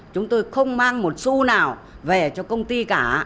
chúng tôi không mang một xô nào về cho công ty cả